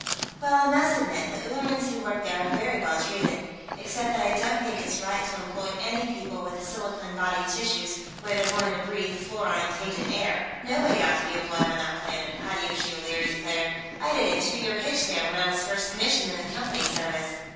"Well, I must admit, the Ullerans who work there are very well treated. Except that I don't think it's right to employ any people with silicone body tissues where they're going to breathe fluorine tainted air." "Nobody ought to be employed on that planet!" Hideyoshi O'Leary declared. "I did a two year hitch there, when I was first commissioned in the Company service."